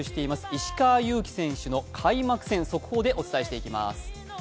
石川祐希選手の開幕戦、速報でお伝えしていきます。